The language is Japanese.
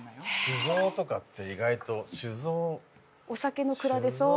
酒蔵とかって意外と酒蔵お酒の蔵でしょ？